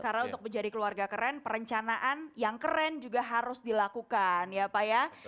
karena untuk menjadi keluarga keren perencanaan yang keren juga harus dilakukan ya pak ya